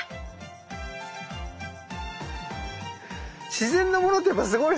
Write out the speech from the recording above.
自然なものってやっぱすごいっすね。